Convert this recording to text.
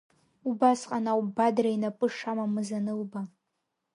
Убасҟан ауп Бадра инапы шамамыз анылба.